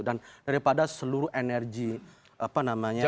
dan daripada seluruh energi apa namanya siswa